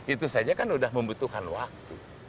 itu saja kan sudah membutuhkan waktu